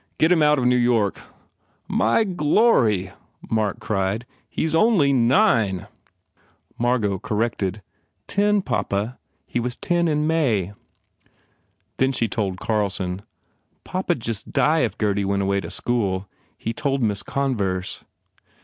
Get him out of New York." "My G glory," Mark cried, "He s only nine !" 8 1 THE FAIR REWARDS M argot corrected, "Ten, papa. He was ten in May." Then she told Carlson, "Papa d just die if Gurdy went away to school. He told Miss Converse."